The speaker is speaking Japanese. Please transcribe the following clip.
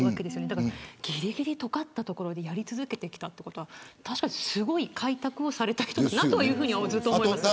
だから、ぎりぎりの所でやり続けてきたということは確かにすごい開拓をされた人だなと思います。